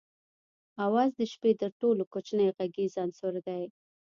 آواز د ژبې تر ټولو کوچنی غږیز عنصر دی